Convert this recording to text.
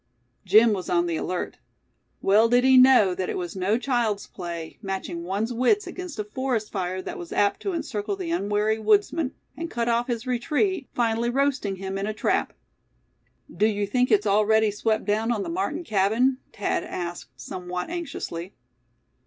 Jim was on the alert. Well did he know that it was no child's play, matching one's wits against a forest fire that was apt to encircle the unwary woodsman, and cut off his retreat, finally roasting him in a trap. "Do you think it's already swept down on the Martin cabin?" Thad asked, somewhat anxiously.